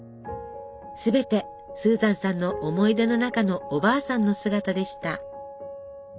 すべてスーザンさんの思い出の中のおばあさんの姿でした。